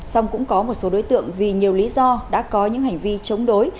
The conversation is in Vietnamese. xong cũng có một số đối tượng vì nhiều lý do đã có những hành vi chống đối